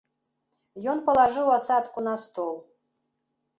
Ён палажыў асадку на стол.